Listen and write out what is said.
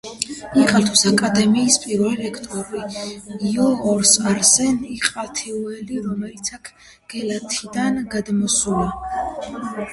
იყალთოს აკადემიის პირველი რექტორი იო არსენ იყალთოელი, რომელიც აქ გელათიდან გადმოსულა.